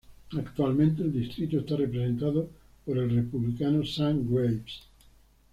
Actualmente el distrito está representado por el Republicano Sam Graves.